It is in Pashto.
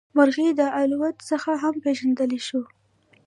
مرغۍ د الوت څخه هم پېژندلی شو.